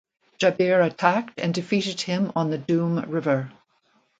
Djabir attacked and defeated him on the Dume River.